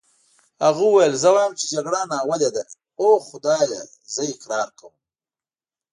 هغه وویل: زه وایم چې جګړه ناولې ده، اوه خدایه زه اقرار کوم.